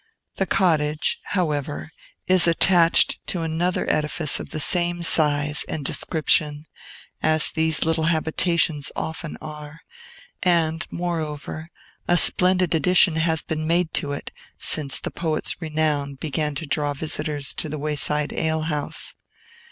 The cottage, however, is attached to another edifice of the same size and description, as these little habitations often are; and, moreover, a splendid addition has been made to it, since the poet's renown began to draw visitors to the wayside alehouse.